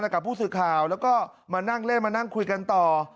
กับผู้สื่อข่าวและมานั่งเล่นคุยกันต่อ